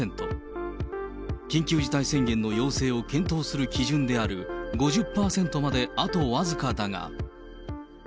緊急事態宣言の要請を検討する基準である５０％まであと僅かだが。